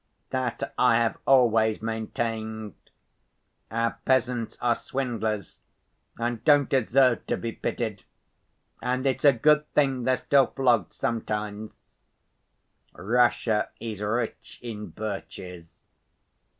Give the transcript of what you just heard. That I've always maintained. Our peasants are swindlers, and don't deserve to be pitied, and it's a good thing they're still flogged sometimes. Russia is rich in birches.